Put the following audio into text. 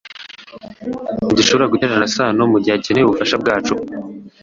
Ntidushobora gutererana Sano mugihe akeneye ubufasha bwacu